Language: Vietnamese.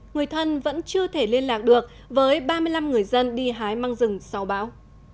người thân vẫn chưa thể liên lạc được với ba mươi năm người dân đi hái măng rừng sau bão